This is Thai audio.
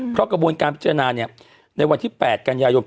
เพราะกระบวนการพิจารณาในวันที่๘กันยายน